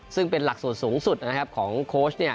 ซึ่งเป็นหลักสูตรสูงสุดของโค้ช